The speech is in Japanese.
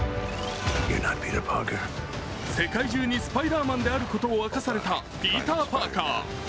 世界中にスパイダーマンであることを明かされたピーター・パーカー。